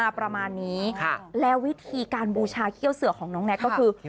ประมาณนี้แล้ววิธีการบูชาเขี้ยวเสือของน้องแท็กก็คือ